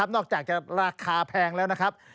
นอกจากจะราคาแพงแล้วนะครับ